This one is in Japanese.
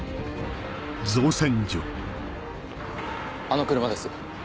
あの車です。